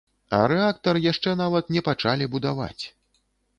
А рэактар яшчэ нават не пачалі будаваць.